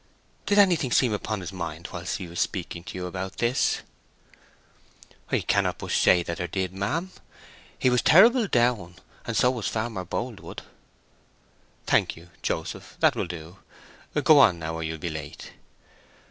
"Did anything seem upon his mind whilst he was speaking to you about this?" "I cannot but say that there did, ma'am. He was terrible down, and so was Farmer Boldwood." "Thank you, Joseph. That will do. Go on now, or you'll be late."